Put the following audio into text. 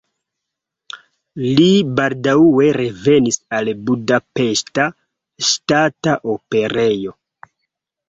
Li baldaŭe revenis al Budapeŝta Ŝtata Operejo.